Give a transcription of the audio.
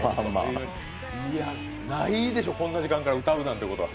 ないでしょ、こんな時間から歌うなんてことは？